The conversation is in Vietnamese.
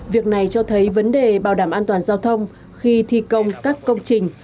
việc này cho thấy vấn đề bảo đảm an toàn giao thông khi thi công các công trình